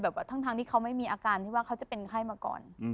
ทั้งที่เขาไม่มีอาการที่ว่าเขาจะเป็นไข้มาก่อน